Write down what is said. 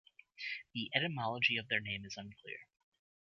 The etymology of their name is unclear.